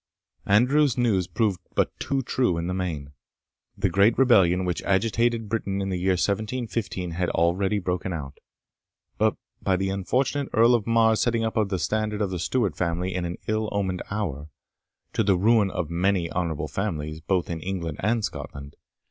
Andrew's news proved but too true in the main. The great rebellion which agitated Britain in the year 1715 had already broken out, by the unfortunate Earl of Mar's setting up the standard of the Stuart family in an ill omened hour, to the ruin of many honourable families, both in England and Scotland.